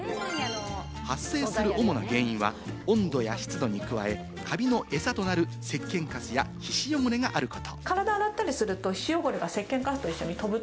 発生する主な原因は温度や湿度に加え、カビの餌となる石鹸カスや皮脂汚れがあること。